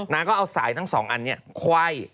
นางก็เอาสายทั้งสองอันนี้คว่าย